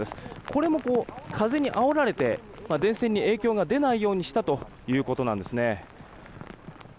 これも風にあおられて電線に影響が出ないようにしたということなんです。